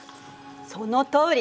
そのとおり。